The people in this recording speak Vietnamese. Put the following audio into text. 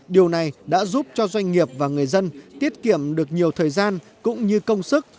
điều này đã giúp cho doanh nghiệp và người dân tiết kiệm được nhiều thời gian cũng như công sức